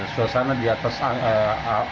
masalah mata muncullah muncullah muncullah